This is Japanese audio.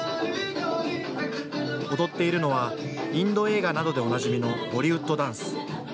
踊っているのはインド映画などでおなじみのボリウッドダンス。